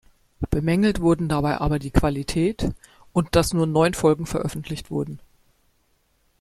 Bemängelt wurden dabei aber die Qualität, und dass nur neun Folgen veröffentlicht wurden.